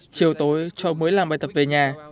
chiều tối cháu mới làm bài tập về nhà